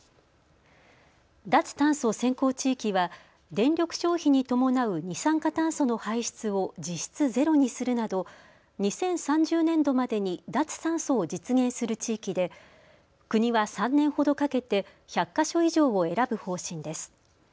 脱炭素先行地域は電力消費に伴う二酸化炭素の排出を実質ゼロにするなど、２０３０年度までに脱炭素を実現する地域で国は３年ほどかけて１００か所以上を選ぶ方針です。